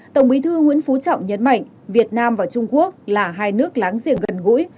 tổng bí thư nguyễn phú trọng nhấn mạnh việt nam và trung quốc là hai nước láng giềng gần gũi